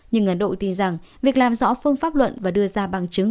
nhưng ấn độ tin rằng việc làm rõ phương pháp luận và đưa ra bằng chứng